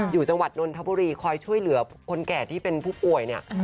อยู่จังหวัดนนทบุรีคอยช่วยเหลือคนแก่ที่เป็นผู้ป่วยเนี่ย